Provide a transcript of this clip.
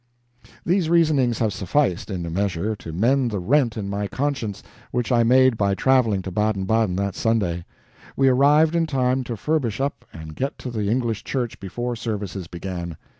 These reasonings have sufficed, in a measure, to mend the rent in my conscience which I made by traveling to Baden Baden that Sunday. We arrived in time to furbish up and get to the English church before services began.